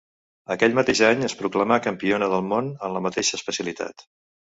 Aquell mateix any es proclamà Campiona del món en la mateixa especialitat.